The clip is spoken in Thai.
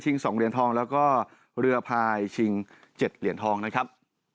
๒เหรียญทองแล้วก็เรือพายชิง๗เหรียญทองนะครับ